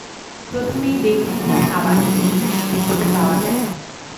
প্রথম হইতেই ব্যক্তিহীন ভাব আসিতেছে, দেখিতে পাওয়া যায়।